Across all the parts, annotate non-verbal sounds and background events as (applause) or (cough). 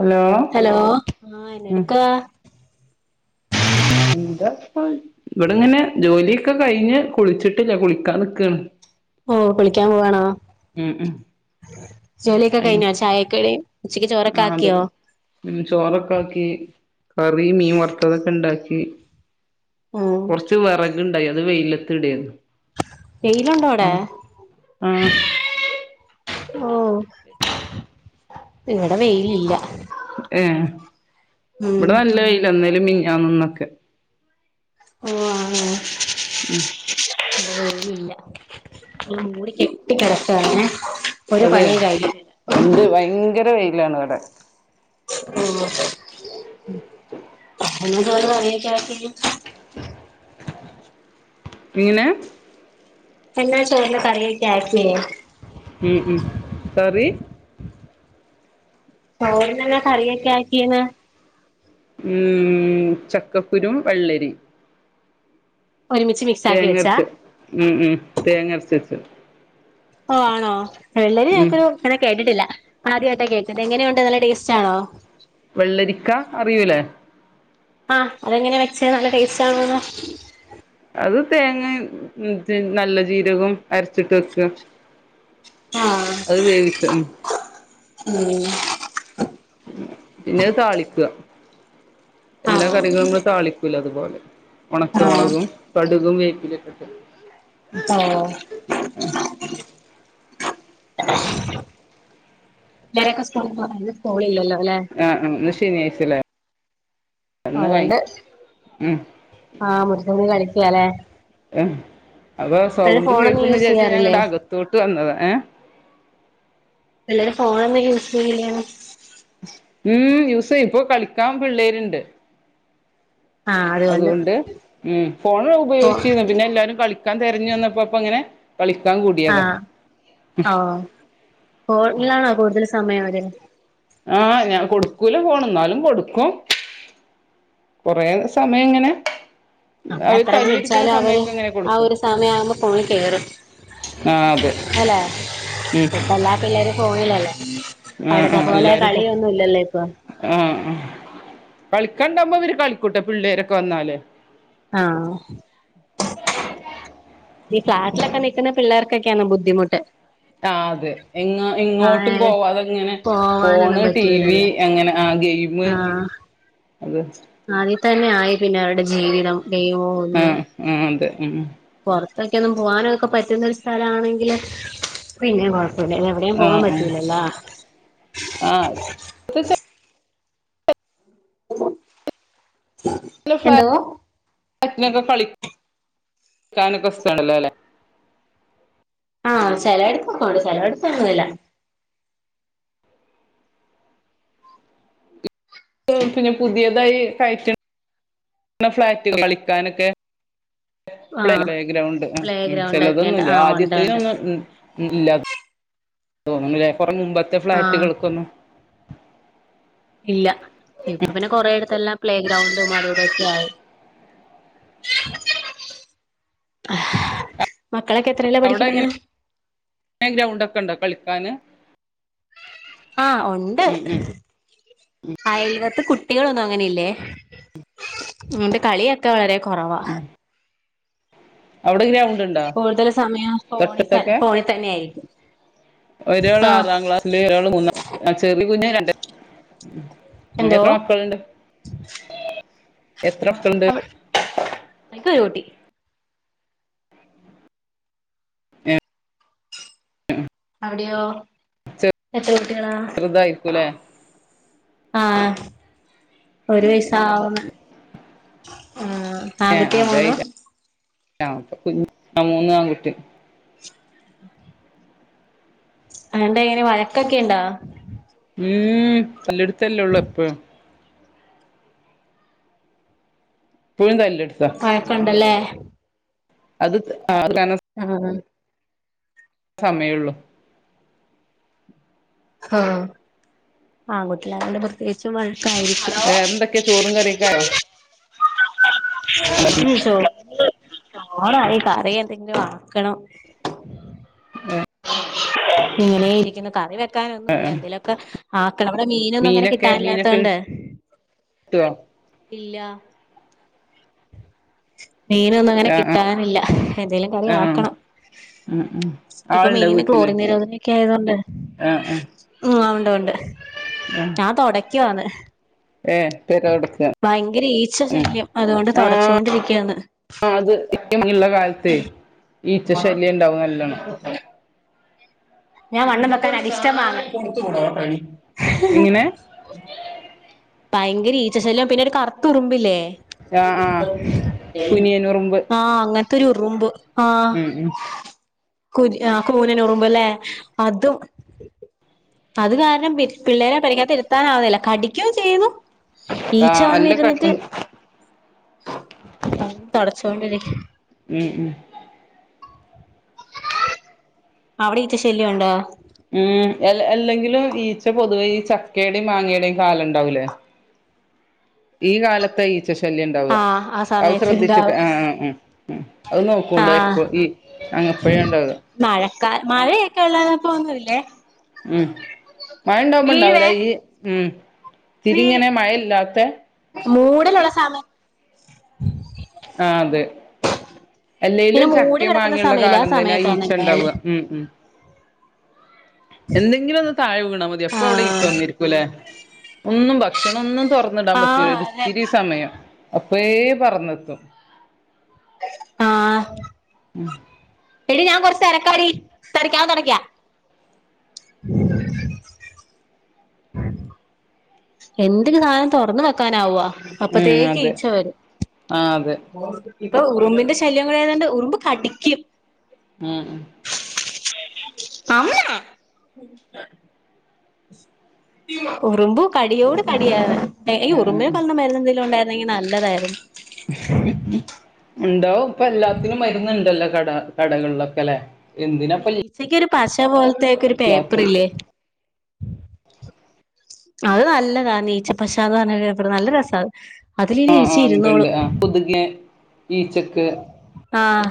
Hello hello ആ എന്നാ ഉം എടുക്കാവ എന്താപ്പോ ഇവിടെ ഇങ്ങനെ ജോലിയൊക്കെ കഴിഞ്ഞ് കുളിച്ചിട്ടില്ല കുളിക്കാൻ നിക്കുകയാണ് ഓ കുളിക്കാൻ പോവാണോ ഉം ഉം ജോലിയൊക്കെ കഴിഞ്ഞോ ചായക്കടി യും ആ അതൊക്കെ ചോറൊക്കെ ആക്കി കറിയും മീൻ വറുത്തതൊക്കെ ഇണ്ടാക്കി ഉം കൊറച്ച് വിറകുണ്ടായി അത് വെയിലത്തിടായിരുന്നു വെയിലുണ്ടോ അവിടെ ആഹ് ഓ (inaudible) ഇവിടെ വെയിലില്ല ഏ ഉം ഇവിടെ നല്ല വെയിലാ ഇന്നലെയും മിഞ്ഞാന്നും ഇന്നൊക്കെ ഓ ആണോ ഉം അത് പോലുല്ല മൂടി കെട്ടി കിടക്കാണെ അതെ എന്ത് ഭയങ്കര വെയിലാണ് ഇവിടെ ഓ എന്നാ പണിയൊക്കെ ആര് ചെയ്യും എങ്ങനെ എന്നാ ചോറിന് കറിയൊക്കെ ആക്കിയേ ഉം ഉം കറി ചോറിനെന്ന കറിയൊക്കെ ആക്കീന്ന് ഉം ചക്കക്കുരും വെള്ളരിയും ഒരുമിച്ച് മിക്സ് ആക്കി വെച്ചാ തേങ്ങരച്ച് ഉം ഉ തേങ്ങരച്ച് വെച്ച് ഓ ആണോ വെള്ളരി ഉം ചക്കയൊക്കെ അങ്ങനെ കേട്ടിട്ടില്ല ആദ്യമായിട്ടാ കേക്കുന്നത് എങ്ങനെയുണ്ട് നല്ല ടേസ്റ്റ് ആണോ വെള്ളരിക്ക അറിയൂലേ ആ അതെങ്ങനെയാണ് വെച്ചേ നല്ല ടേസ്റ്റ് ആണോന്ന് അത് തേങ്ങയും നല്ല ജീരകവും അരച്ചിട്ട് വെക്കുക ആ അത് വേവിച്ച ഉം ഉം പിന്നത് താളിക്കുക എല്ലാ ആഹ് കറികളും നമ്മള് താളിക്കൂലെ അതുപോലെ ഉണക്കമുളകും കടുകും വേപ്പിലൊക്കെട്ട് ആ ഓ അവരൊക്കെ സ്കൂൾ പോയോ ഇന്ന് സ്കൂൾ ഇല്ലല്ലോ അല്ലെ ആ ആ ഇന്ന് ശനിയാഴ്‌ച്ചല്ലേ അതോണ്ട് ഉം ആ മുറ്റത്ത് കളിക്കാല്ലേ അപ്പൊ പിള്ളേര് സൗണ്ട് ഫോണൊന്നും കേൾകൂന്ന് യൂസ് വിചാരിച്ച ഞാനിങ്ങട്ട് ചെയ്യാറില്ലേ അകത്തോട്ട് വന്നത് ഏ എല്ലാരും ഫോണൊന്നും യൂസ് ചെയ്യലില്ലേന്ന് ഉം യൂസ് ചെയ്യും ഇപ്പൊ കളിക്കാൻ പിള്ളേരുണ്ട് അതുകൊണ്ട് ഉം ഫോ ഫോണുപയോഗിച്ചരുന്നു പിന്നെ എല്ലാരും കളിക്കാൻ തിരഞ്ഞു വന്നപ്പോ അപ്പൊ അങ്ങനെ കളിക്കാന് കൂടിയത ആഹ് ഫോണിൽ ആണോ കൂടുതൽ സമയം അവര് ആഹ് ഞാൻ കൊടുക്കൂല ഫോൺ എന്നാലും കൊടുക്കും കൊറെ സമയം ഇങ്ങനേ നമ്മൾ എത്ര പിടിച്ചാലും അവര് ഇങ്ങനെ ആ കൊടുക്കും ഒരു സമയം ആവുമ്പോ ഫോണിൽ കേറും ആഹ് അതെ ഉം പിള്ളേര് ഫോണിലല്ലേ ആഹ് പണ്ടത്തെ ആഹ് പോലെ എല്ലാരും ഫോ കളിയൊന്നും ഇല്ലല്ലോ ഇപ്പൊ ആഹ് കളിക്കണ്ടാവുമ്പോ ഇവര് കളിക്കൂട്ടെ പിള്ളേരൊക്കെ വന്നാല് ആഹ് ഈ ഫ്ലാറ്റിലൊക്കെ നിക്കുന്ന പിള്ളേർക്കൊക്കെയാണ് ബുദ്ധിമുട്ട് ആ അതെ എങ്ങ എങ്ങോട്ടും ആഹ് പോവാതെങ്ങനെ ഫോണ് പോവാനൊന്നും ടി വി പറ്റൂലല്ലോ അങ്ങനെ ആ ഗെയിം ആഹ് അത് അതിൽ തന്നെ ആയി പിന്നെ അവരുടെ ജീവിതം ഡേ ഒന്നും ആഹ് ആഹ് അതെ ഉം ആഹ് പുറത്തൊക്കെ ഒന്നും പോകാനൊക്കെ പറ്റുന്ന ഒരു സ്ഥല ആണെങ്കില് പിന്നെ കുഴപ്പമില്ല എവിടെേയും പോവാൻ ആഹ് പറ്റൂല്ലല്ലോ ആഹ് ഇപ്പത്തെ ല്ല എന്തോ ഫ്ലാറ്റിലൊക്കെ കള കളിക്കാനൊക്കെ സ്ഥലണ്ടല്ലോ അല്ലെ ആഹ് ചിലടുത്ത് ഉണ്ട് ചെലഎടുത്ത് ന്നൂല്ല പിന്നെ പുതിയതായി കയറ്റ്- ഫ്ളാറ്റ് കളിക്കാനൊക്കെ ആഹ് പ്ലേഗ്രൗണ്ട് പ്ലേ ഉം ഗ്രൗണ്ട് ഒക്കെ ഉണ്ട് ചിലതൊന്നുമല്ല ആഹ് ഉണ്ട് ആദ്യത്ത ഉണ്ട് ഒന്നും ഇല്ല ഇല്ല തോന്ന്ണ് കൊറേ മുമ്പത്തെ ആഹ് ഫ്ലാറ്റുകൾക്കൊന്നും ഇല്ല ഇപ്പ പിന്നെ കൊറെേയിടുത്തെല്ലാം പ്ലേ ഗ്രൗണ്ട് അത് ഇതൊക്കെ ആയി മക്കളൊക്കെ എത്രയിലാ അവിടെ പഠിക്കണത് എങ്ങനെ ഗ്രൗണ്ട് ഒക്കെ ഉണ്ടോ കളിക്കാന് ആഹ് ഉണ്ട് ഉം ഉം അയൽ പക്കത്തു കുട്ടികളൊന്നും അങ്ങനെല്ലേ ഉം കളിയൊക്കെ വളരെ കുറവാ അവിടെ ഗ്രൗണ്ട് ഉണ്ടോ കൂടുതൽ സമയം ഫോണിൽ തൊട്ടടുത്തൊക്കെ ഫോണിൽ തന്നെ ആയിരിക്കും ഒരാൾ ആഹ് ആറാം ക്ലാസില് ഒരാൾ മൂന്നാം ആ ചെറുത് കുഞ് രണ്ട് എന്തോ എത്ര മക്കളുണ്ട് എത്ര മക്കളുണ്ട് എനിക്കൊരു കുട്ടി ഏ, അവിടെയോ എത്ര കുട്ടികളാ ചെറുതായിരിക്കൂല്ലേ ആഹ് ഒരു വയസ്സ് ആവുണ് ആഹ് ഏഹ് ആൺകുട്ടിയാ അത മൂന്നും ആഹ് മൂന്ന് ആണ് കുട്ടി ഉം അലണ്ടാ എങ്ങനെ വഴക്കൊക്കെ ഇണ്ടാ ഉം തല്ല് പിടുത്തമല്ലേള്ളൂ എപ്പോഴും എപ്പോഴും തല്ല് കൂടി വഴക്കുണ്ടല്ലേ അത് കന സ് ആഹ് ഹ സമയോള്ളൂ ആഹ് ആൺകുട്ടി ആയതോണ്ട് പ്രത്യേകിച്ചും വഴക്കായിരിക്കും വേറെന്തൊക്കെയ ചോറും കറിയൊക്കായോ? (unintelligible) ചോർ ആയി കറി എന്തെങ്കിലും ആക്കണം ഏഹ് ഇങ്ങനെ ഇരിക്കുന്നു കറി വെക്കണം ക്കാൻ ഒന്നുല്ല എന്തേലുമൊക്കെ ആക്കണം ഇവിടെ മീനൊന്നും അങ്ങനെ കിട്ടാനില്ലാതോണ്ട് ട്ട്യോ ഇല്ല മീനൊന്നും അങ്ങനെ ആഹ് കിട്ടാനില്ല എന്തേങ്കലും കറി ആഹ് ആഹ് ആക്കണം ഉം ഉം ഇപ്പൊ ആളുണ്ടോ മീന് വീട്ടില് ട്രോലിർങ്ങ് നിരോധനൊക്കെ ആയതൊണ്ട് ആഹ് ആഹ് ആഹ് ഉണ്ട് ഉണ്ട് ഞാൻ തുടക്കുവവാന്ന് ഏഹ് പെര തൊടക്ക ഭയങ്കര ഈച്ച ശല്യം അതുകൊണ്ട് തുടച്ചുണ്ടിരിക്കുകയാണ് ആഹ് അത് (inaudible) ഉള്ള കാലത്ത് ഈച്ച ശല്യം ഉണ്ടാവും നല്ലോണം (inaudible) ഞാൻ വണ്ണം വെക്കാൻ അടിഷ്ടമാങ്ങ എങ്ങനെ (unintelligible) ഭയങ്കര ഈച്ചശല്യം പിന്നെ ഒരു കറുത്തുറുമ്പില്ലേ ആഹ് ആഹ് കുനിയനുറുമ്പ് ആഹ് അങ്ങനെ ഒത്തിരിറുമ്പ് ആഹ് ഉം ഉം കു ആഹ് കൂനന ഉറുമ്പല്ലേ അതും അത് കാരണം പി പിള്ളേരെ പരിക്കത്ത് എരുത്താനാവുന്നില്ല കടിക്കോ ചെയ്യുന്നു ഈച്ച ആഹ് നല്ല വന്നിരുന്നിട്ട് കടുപ്പം തോടച്ചൊണ്ടിരിക്ക ഉം ഉം അവിടെ ഈറ്റശല്യണ്ടോ ഉം എല്ലെങ്കിലും ഈച്ച പൊതുവേ ഈ ചക്കയുടെയും മാങ്ങയുടെേയും കാലുണ്ടാവൂലേ ഈ കാലത്ത് ഈച്ച ശല്യ ഉണ്ടാവുക ആഹ് ആ അത് സമയത്ത് ശ്രദ്ധിച്ചിട്ട് ഇണ്ടാവും ആഹ് ആഹ് ആഹ് അത് നോക്കണ്ടോ ആഹ് എപ്പ ഈ അങ്ങപ്പോഴേണ്ടത് മഴക്കാ മഴയൊക്കെ ഉള്ളന്ന പോ ഒന്നല്ലേ ഉം മഴ ഉണ്ടാവുമ്പോ ഉണ്ടാവൂല വീഴുവേ ഈ ഉം വീഴും തിരിങ്ങനെ മഴ ഇല്ലാത്ത മൂടലുള്ള സമയ (unintelligible) ആഹ് അതെ ഇങ്ങനെ എല്ലെലും മൂടി ചക്കിം കിടക്കുന്ന മാങ്ങിയുള്ള സമയല്ലേ ആ കാലം തന്നെ ആഹ് സമയത്താണ് ഈച്ച ഇണ്ടാവല് ഉണ്ടാവുക ഉം ഉം എന്തെങ്കിലും ഒന്ന് താഴെ വീണാൽ മതി എപ്പൊ അവിടെ ഈച്ച ആഹ് വന്നിരിക്കൂല്ലെ ഒന്നും ഭക്ഷണ ഒന്നും തുറന്നിടാൻ പറ്റൂല ആഹ് അതെ ഒരിത്തിരിരി സമയം അപ്പേ പറന്നെത്തും ആഹ് ഉം എടി ഞാൻ കുറച്ച് തിരക്കാടി തിരക്കാവൻ തുടക്കാ (inaudible) എന്തൊക്ക സാനം തുറന്ന് വെക്കാനാവുവാ ഉം അപ്പത്തേക്ക് അതെ ഈച്ച വരും ആ അതെ ഇപ്പൊ ഉറുമ്പിന്റെ ശല്യങ്ങഏതണ്ട് ഉറുമ്പ് കടിക്കും ഉം അമ്മ ഉറുമ്പു കടിയോട് കടിയ ഈ ആ ഉറുമ്പിനന് കൊല്ല മരുന്ന എന്തെങ്കലും ഉണ്ടായിരുന്നെങ്കി നല്ലതായിരുന്നു ഉണ്ടാവും ഇപ്പ എല്ലാത്തിനും മരുന്നുണ്ടല്ലോ കട കടകളിലൊക്കെ അല്ലേ ഈച്ചക്കൊ ഒരു പശ പോലത്തക്ക ഒരു ഇല്ലാത്ത പേപ്പറ ഇല്ലേ അത് നല്ലതാണ് നീഈച്ചപ്പശപറഞ്ഞ പേപ്പർ നല്ല രസാ ആഹ് ആഹ് ഉണ്ട് ണ്ട് ണ്ട് ആ കൊതുക് ഈച്ചക്ക് ആഹ്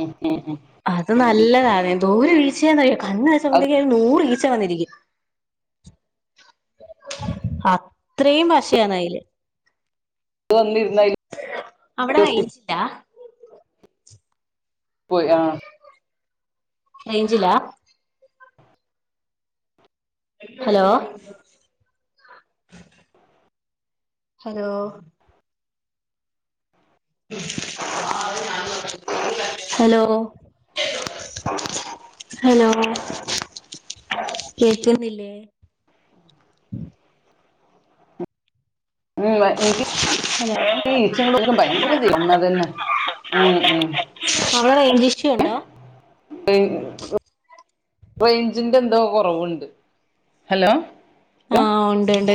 ഉം ഉം അത് നല്ലതാണ് എന്തോ ഒരു ഈ ച്ചചയന്നറിയ കന്ന് അത് വെച്ചത്തേക്ക ഒരു നൂറ് ഈ ച വന്നിരിക്കും അത്രയും പശയാണ് അയില് വന്നിരുന്ന അതിൽ അവിടെ റേഞ്ച് ഒട്ടിപ്പോയി ഇലാ പോയി ആ റേഞ്ചിലാ ഹലോ ഹലോ ഹലോ ഹലോ കേൾക്കുന്നില്ലേ ഉം ഇൻക്ക് ഹലോ ഈച്ച ഒ ഭയങ്കര ഒന്ന തന്നെ ഉം അവടെ റൈഞ്ചിഷുണ്ടോ റെയ് റെയ്ഞ്ചിന്റെ എന്തോ കൊറവു ണ്ട് ഹലോ ആഹ് ഉണ്ട് ണ്ട്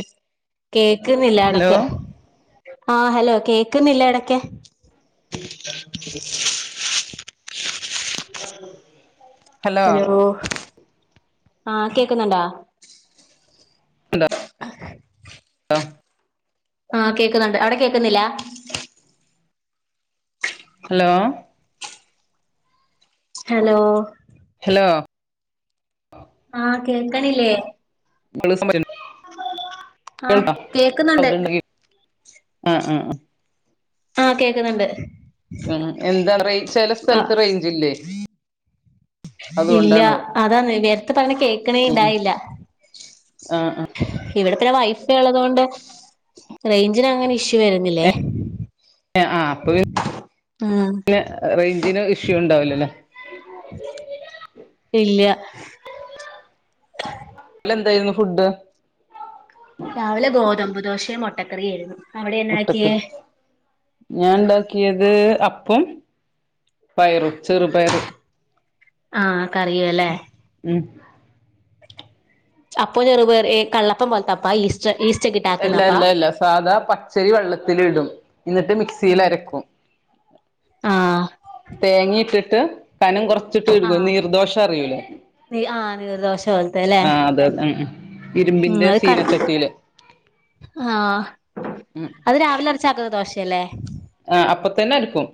കേക്കുന്നില്ല ഹലോ എടക് ആഹ് ഹലോ കേക്കുന്നില്ല എടക് ഹലോ ആഹ് കേക്കുന്നുണ്ടാ ലോ ആഹ് കേക്കുന്നുണ്ട് അവടെ കേക്കുന്നില്ല ഹലോ ഹലോ ഹലോ. ആഹ് കേക്കണില്ലേ മള്സ (unintelligible) ആഹ് കേക്കുന്നുണ്ട്.. ആഹ് ആഹ് ആഹ് ആഹ് കേക്കുന്നുണ്ട്. ഉം എന്താ റ ചെല ആഹ് സ്ഥലത്ത് റെയ്ഞ്ച്ല്ലേ ഇല്ല അതാന്ന് നേര്ത്തെ പറണത് കേക്ണെ ഇണ്ടായില്ല ആഹ് ഇവിടെ തര വൈഫൈ ഉള്ളതോണ്ട് റൈഞ്ചിനങ്ങനെ ഇഷ്യൂ വരുന്നില്ലേ. ആ അപ്പ ആഹ് പി റേഞ്ചിന് ഇഷ്യൂ ഉണ്ടാവിലല്ലേ (inaudible) ഇല്ല്യ ന്നലെ ന്തെയിന്നു ഫുഡ് രാവിലെ ഗോതമ്പ് ദോഷെ മൊ ട്ടക്കറിയെരുന്നു മുട്ടക്കറി ഞാൻ ണ്ടാക്കിയത് അപ്പോം പയറും ചെറുപയറ് ആഹ് കറിയൂല്ലേ ഉം അപ്പൊ ചെറുപയർഏ കള്ളപ്പം പോലത്തെപ്പാ ഈസ് യെല്ല യെല്ല യെല്ല സാധാ പച്ചരി വെള്ളത്തില് ഇടും ഇന്നട്ട് മിക്സിയിൽ ഉം അരക്കും ആഹ് തേങ്ങിയിട്ടിട്ട് കനം കൊറച്ചിട്ട്ഇട്ട് നിർദോഷ അറിയൂലേ നി ആഹ് നീർദോശ മതി. ആഹ് അതതെ ഉം ഉം ഇരുമ്പിന്റെ അത് ക സീനച്ചട്ടീല്. ആഹ് അത് രാവിലെ അരച്ച് ആക്കണ ദോശയല്ലേ? ആഹ് അപ്പ തന്നെ അരക്കും.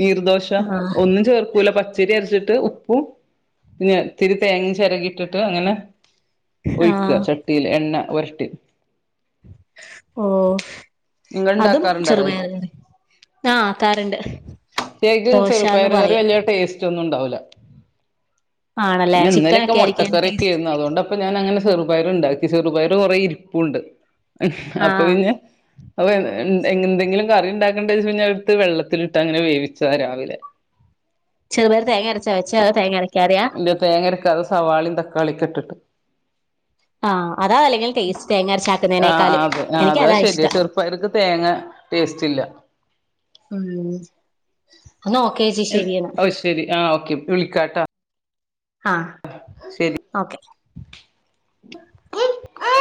നീർദോശ ആഹ് ഒന്നും ചേർക്കൂല. പ ചിരി അരച്ചിട്ട് ഉപ്പും പിന്നെ ഇത്തിരി തേങ്ങീ ചെരകി ഇട്ടിട്ട് അങ്ങനെ ഒഴിക്ക ആഹ് ചട്ടീല് എണ്ണ ഒരട്ടി. ഓഹ് നിങ്ങൾ അതും ഉണ്ടാക്കാറുണ്ടോ അത് ചെറുപയറ് കറീം. ആഹ് കരണ്ട് ഏക് ചെറുപ്പയർ കറി വല്യ ടേസ്റ്റോന്നുണ്ടാവുല. ആണല്ലേ പിന്നെ ഇന്നലൊക്കെ ചിക്കനൊക്കെ ആയിരിക്കും അതിന്റെ ടേസ്റ്റ് മുട്ടക്കറിയൊക്കേർന്നു അതോണ്ട അപ്പ ഞാനങ്ങനെ ചെറുപയറുണ്ടാക്കി. ചെറുപയർ കൊറേ ഇരിപ്പുണ്ട്. അപ്പൊ ആഹ് പിന്നെ അപ്പൊ എന്തെ എന്തെങ്കിലും കറിണ്ടാക്കണ്ടന്ന് വിചാരിചിട്ടടത്ത് വെള്ളത്തിലിട്ട് അങ്ങനെ വേവിച്ചതാ രാവിലെ. ചെറുപയർ തേങ്ങരച്ച വെച്ചേ അതോ തങ്ങരക്കാതയാ? ല്ല. തേങ്ങരക്കാതെ സവാളീം തക്കാളിക്കെ ഇട്ടിട്ട്. ആഹ് അതാ അല്ലെങ്കിൽ ടേസ്റ്റ് ആഹ് തേങ്ങരച്ചാക്കുന്നതിനേക്കാളും അതെ ആഹ് എനിക്ക് അത് അതാ ശരിയ ഇഷ്ടം ചെറുപ്പയർക്ക് തേങ്ങ ടേസ്റ്റില്ല. ഉം എന്നാ ഓക്കെ ചേച്ചി ശരിയെന്നാ ഓഹ് ശെരി ആഹ് ഓക്കെ ഇപ്പ വിളിക്കാട്ടാ. ആഹ് ശെരി ഓക്കെ